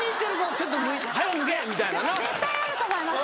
でも絶対あると思います。